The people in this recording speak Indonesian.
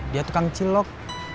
dia tukang cilok